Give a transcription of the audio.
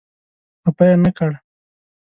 خپه یې نه کړ.